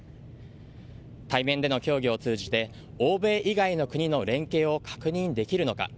対面での協議を通じて欧米以外の国の連携を確認できるのか。